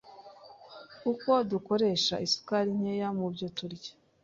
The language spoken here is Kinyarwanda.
Uko dukoresha isukari nkeya mu byo turya,